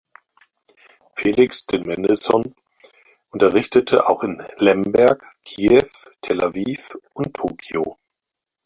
Felix de Mendelssohn unterrichtete auch in Lemberg, Kiew, Tel Aviv und Tokio.